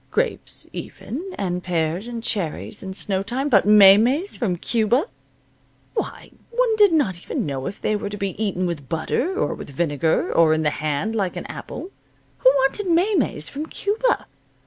Grapes, even, and pears and cherries in snow time. But maymeys from Cuba why, one did not even know if they were to be eaten with butter, or with vinegar, or in the hand, like an apple. Who wanted maymeys from Cuba?